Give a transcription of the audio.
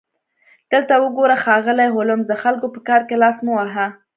دلته وګوره ښاغلی هولمز د خلکو په کار کې لاس مه وهه